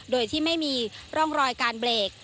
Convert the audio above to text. โดยที่ไม่มีร่องรอยการเบรก